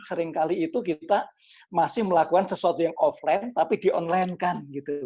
seringkali itu kita masih melakukan sesuatu yang offline tapi di online kan gitu